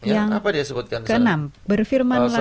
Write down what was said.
yang apa dia sebutkan disana